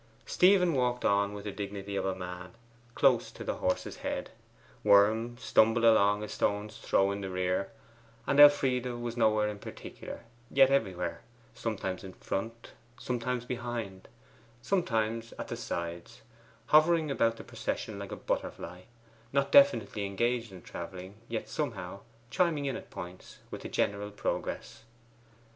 Stephen walked with the dignity of a man close to the horse's head, Worm stumbled along a stone's throw in the rear, and Elfride was nowhere in particular, yet everywhere; sometimes in front, sometimes behind, sometimes at the sides, hovering about the procession like a butterfly; not definitely engaged in travelling, yet somehow chiming in at points with the general progress.